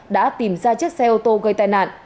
đã tìm ra chiếc xe ô tô gây tai nạn